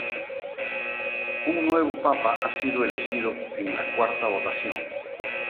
Un nuevo papa ha sido elegido en la cuarta votación.